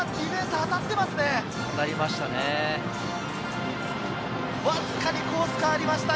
当たりましたね。